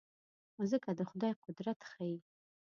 مځکه د خدای قدرت ښيي.